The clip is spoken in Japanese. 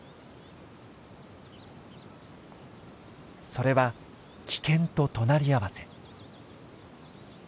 それは危険と隣り合わせ。